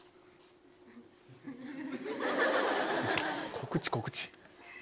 告知告知！